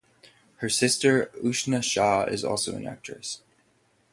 Her sister Ushna Shah is also an actress.